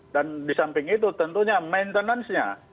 dan di samping itu tentunya maintenance nya